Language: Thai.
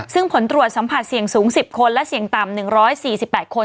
ซึ่งผลตรวจสัมผัสเสี่ยงสูง๑๐คนและเสี่ยงต่ำ๑๔๘คน